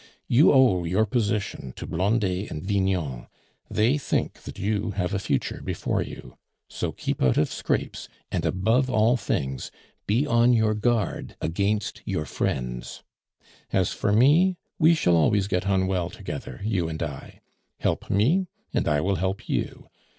You owe your position to Blondet and Vignon; they think that you have a future before you. So keep out of scrapes, and, above all things, be on your guard against your friends. As for me, we shall always get on well together, you and I. Help me, and I will help you.